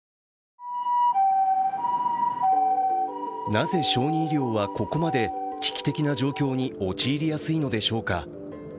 なぜ小児医療は、ここまで危機的な状況に陥りやすいのでしょうか。